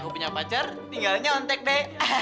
aku nokok bener sama pokoknya